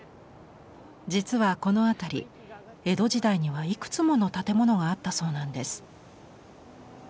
実はこの辺り江戸時代にはいくつもの建物があったそうなんです。